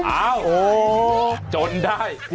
อ่าวโอ้โหจนได้